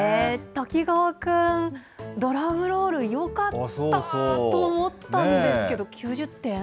滝川君、ドラムロール、よかったと思ったんですけど、９０点？